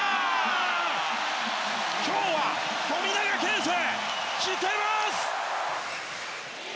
今日は、富永啓生きてます！